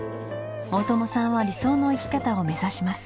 大友さんは理想の生き方を目指します。